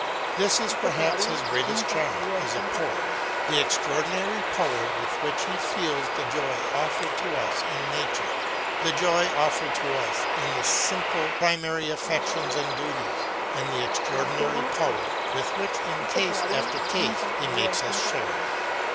This is "perhaps his greatest charm as WORDSWORTH AS A TEACHER 123 a poet, the extraordinary power with which he feels the joy ofiEered to us in Nature, the joy offered to us in the simple primary affections and duties, and the extraordinary power with which in case after case he makes us share it.